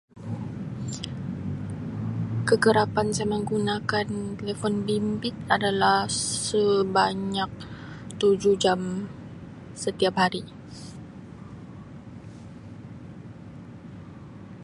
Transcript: Kekerapan saya menggunakan telefon bimbit adalah sebanyak 7 jam setiap sehari.